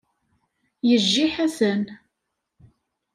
Yejji Ḥasan.